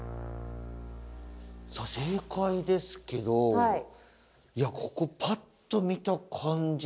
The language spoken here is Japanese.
さあ正解ですけどいやここパッと見た感じ。